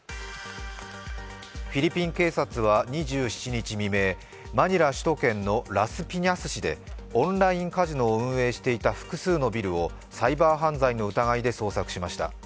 フィリピン警察は２７日未明、マニラ首都圏のラスピニャス市でオンラインカジノを運営していた複数のビルをサイバー犯罪の疑いで捜索しました。